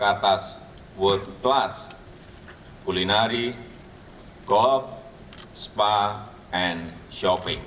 kelas dunia jakarta kuliner golf spa dan wisata belanja